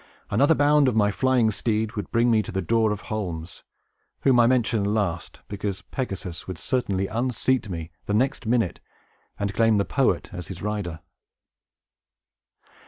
Another bound of my flying steed would bring me to the door of Holmes, whom I mention last, because Pegasus would certainly unseat me, the next minute, and claim the poet as his rider."